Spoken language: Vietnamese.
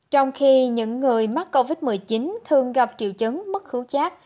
trong khi những người mắc covid một mươi chín thường gặp triệu chấn mất khứu chát